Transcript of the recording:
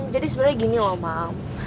jadi sebenernya gini loh mam